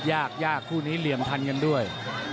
ยากยากคู่นี้เหลี่ยมทันกันด้วย